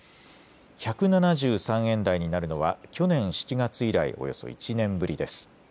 １７３円台になるのは、去年７月以来、およそ１年ぶりです。